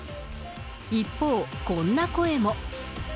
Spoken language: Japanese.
一方、こんな声も。